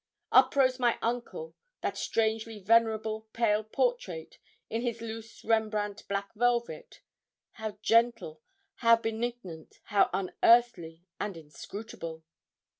Up rose my uncle, that strangely venerable, pale portrait, in his loose Rembrandt black velvet. How gentle, how benignant, how unearthly, and inscrutable!